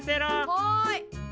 はい。